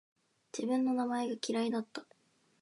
自分の名前が嫌いだった